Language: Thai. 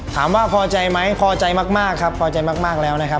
ถามว่าพอใจไหมพอใจมากครับพอใจมากแล้วนะครับ